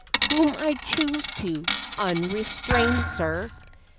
Whom I choose to, unrestrained, sir.